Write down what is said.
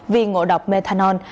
vì ngộ độc methanol